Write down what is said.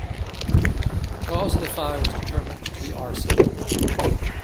The cause of the fire was determined to be arson.